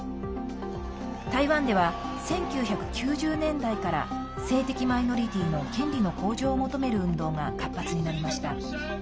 台湾では１９９０年代から性的マイノリティーの権利の向上を求める運動が活発になりました。